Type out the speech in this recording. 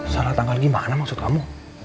salah tanggal gimana maksud kamu